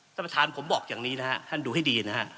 ท่านประธานผมบอกอย่างนี้นะฮะท่านดูให้ดีนะฮะ